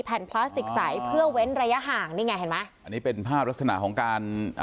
พลาสติกใสเพื่อเว้นระยะห่างนี่ไงเห็นไหมอันนี้เป็นภาพลักษณะของการอ่า